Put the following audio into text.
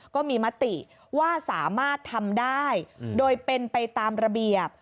ก็มีมติว่าสามารถทำได้โดยเป็นไปตามระเบียบ